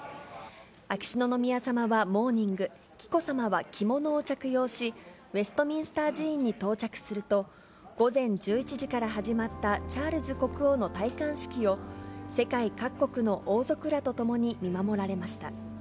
秋篠宮さまはモーニング、紀子さまは着物を着用し、ウェストミンスター寺院に到着すると、午前１１時から始まったチャールズ国王の戴冠式を、世界各国の王族らとともに見守られました。